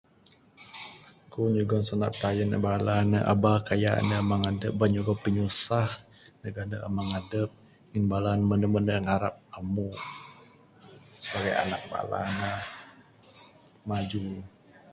Ku nyugon sanda pitayen neg bala ne aba kayak ande amang adep, aba nyugon pinyusah neg ande amang adep ngin bala ne mene mene ngarap amu sebagai anak bala ne maju.